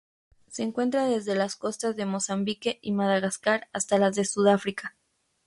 Se encuentra desde las costas de Mozambique y Madagascar hasta las de Sudáfrica.